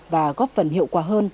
và góp phần hiệu quả hơn